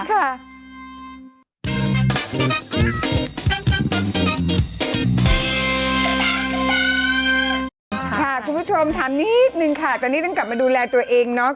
คุณผู้ชมถามนิดนึงค่ะตอนนี้ต้องกลับมาดูแลตัวเองเนาะ